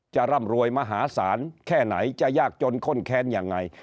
ร่ำรวยมหาศาลแค่ไหนจะยากจนข้นแค้นยังไง